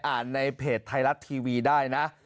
ในเพจไทยรัฐทีวีได้นะ